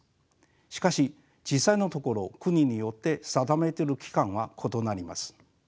しかし実際のところ国によって定めている期間は異なります。